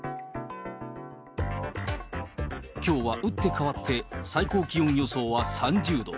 きょうは打って変わって最高気温予想は３０度。